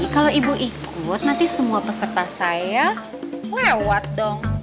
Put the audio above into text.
kalau ibu ikut nanti semua peserta saya lewat dong